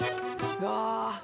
うわ。